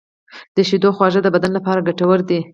د شیدو خواږه د بدن لپاره ګټور دي.